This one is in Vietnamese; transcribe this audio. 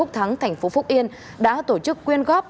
thành phố phúc yên đã tổ chức quyên góp